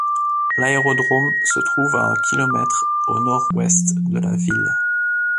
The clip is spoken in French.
L'aérodrome se trouve à un kilomètre au nord-ouest de la ville.